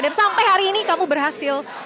dan sampai hari ini kamu berhasil